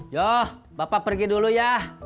yoh bapak pergi dulu ya